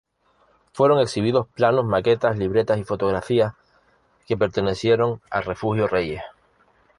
Fueron exhibidos planos, maquetas, libretas y fotografías que pertenecieron a Refugio Reyes.